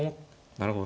なるほど。